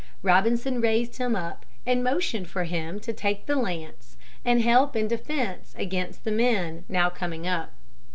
Robinson raised him up and motioned for him to take the lance and help in defence against the men, now coming up.